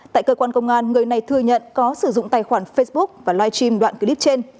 tại cơ quan công an người này thừa nhận có sử dụng tài khoản facebook và live stream đoạn clip trên